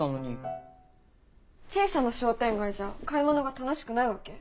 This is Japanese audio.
小さな商店街じゃ買い物が楽しくないわけ？